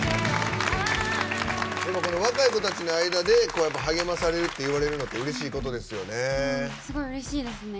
若い子たちの間で励まされるって言われるのってすごいうれしいですね。